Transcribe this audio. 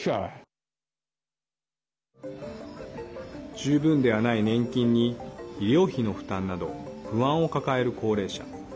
十分ではない年金に医療費の負担など不安を抱える高齢者。